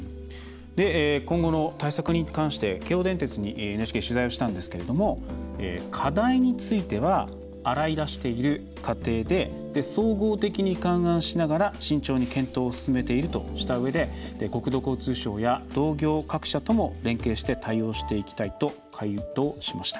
今後の対策に関して京王電鉄にＮＨＫ取材をしたんですけれども課題については洗い出している過程で総合的に勘案しながら慎重に検討を進めているとしたうえで国土交通省や同業各社とも連携して対応していきたいと回答しました。